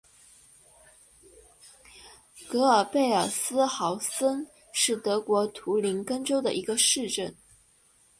格尔贝尔斯豪森是德国图林根州的一个市镇。